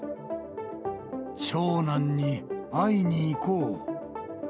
長男に会いに行こう。